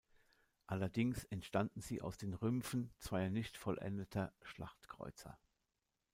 Allerdings entstanden sie aus den Rümpfen zweier nicht vollendeter Schlachtkreuzer.